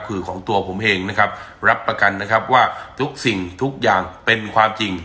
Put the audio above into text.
คือของตัวผมเองนะครับรับประกันนะครับว่าทุกสิ่งทุกอย่างเป็นความจริง